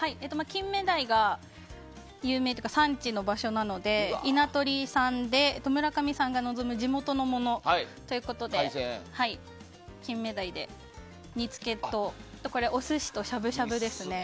キンメダイが有名というか産地の場所なので稲取産で、村上さんが望む地元のものということでキンメダイの煮つけとお寿司と、しゃぶしゃぶですね。